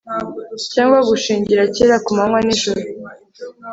cyangwa gushingira kera kumanywa nijoro